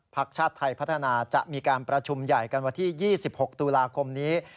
ชาติไทยพัฒนาจะมีการประชุมใหญ่กันวันที่๒๖ตุลาคมนี้